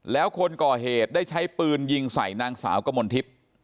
แล้วคนก่อเหตุได้ใช้ปืนยิงใส่นางสาวกมลทิพย์